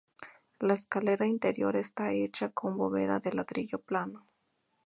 La escalera interior está hecha con bóveda de ladrillo plano.